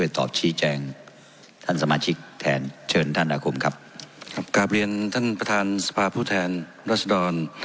ตอบชี้แจงท่านสมาชิกแทนเชิญท่านอาคมครับครับกลับเรียนท่านประธานสภาพผู้แทนรัศดร